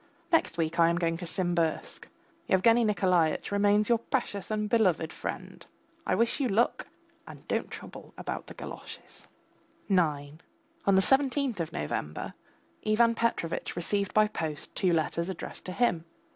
Next week I am going to Simbirsk. Yevgany Nikolaitch remains your precious and beloved friend. I wish you luck, and don't trouble about the galoshes. IX On the seventeenth of November Ivan Petrovitch received by post two letters addressed to him.